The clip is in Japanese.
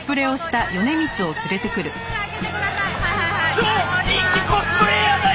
超人気コスプレーヤーだよ！